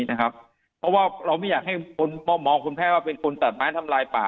เพราะว่าเราไม่อยากให้คนมองคุณแพทย์ว่าเป็นคนตัดไม้ทำลายป่า